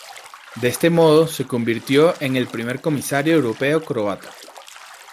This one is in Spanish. De este modo se convirtió en el primer comisario europeo croata.